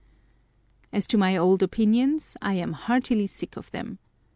As to my old opinions, I am heartily sick of them.